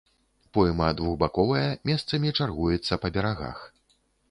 Пойма двухбаковая, месцамі чаргуецца па берагах.